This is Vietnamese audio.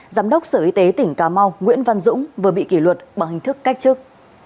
giám đốc sở y tế tỉnh cà mau nguyễn văn dũng vừa bị kỷ luật bằng hình thức cách chức